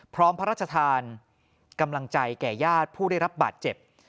พระราชทานกำลังใจแก่ญาติผู้ได้รับบาดเจ็บ